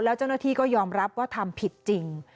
แล้วเจ้าหน้าที่ก็ยอมรับว่าทำผิดจริง